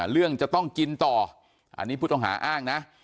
เรื่องจะต้องกินต่ออันนี้ผู้ต้องหาอ้างนะ